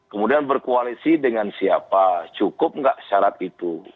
kemudian berkoalisi dengan siapa cukup nggak syarat itu